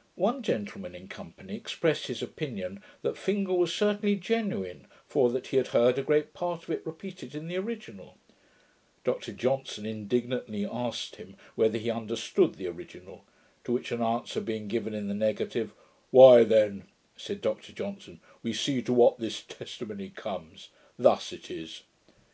] One gentleman in company expressing his opinion 'that Fingal was certainly genuine, for that he had heard a great part of it repeated in the original', Dr Johnson indignantly asked him, whether he understood the original; to which an answer being given in the negative, 'Why then,' said Dr Johnson, 'we see to what THIS testimony comes: thus it is.'